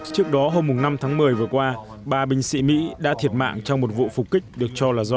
trước đó hôm năm tháng một mươi vừa qua ba binh sĩ mỹ đã thiệt mạng trong một vụ phục kích được cho là do các quân đội